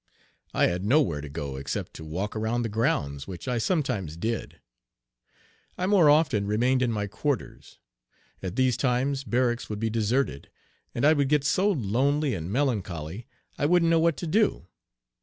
I had no where to go except to walk around the grounds, which I sometimes did. I more often remained in my quarters. At these times barracks would be deserted and I would get so lonely and melancholy I wouldn't know what to do.